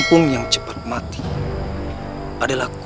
hanya tetap kisah